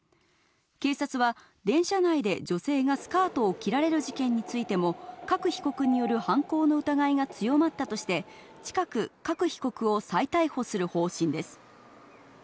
警察は電車内で女性がスカートを切られる事件についても加久被告による犯行の疑いが強まったとして、近く加久被告を再逮捕する方針です。